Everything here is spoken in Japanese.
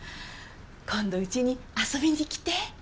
今度うちに遊びに来て。